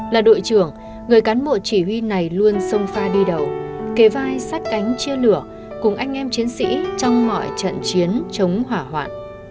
là đội trưởng người cán bộ chỉ huy này luôn sông pha đi đầu kề vai sát cánh chia lửa cùng anh em chiến sĩ trong mọi trận chiến chống hỏa hoạn